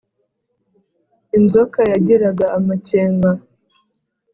Inzoka yagiraga amakenga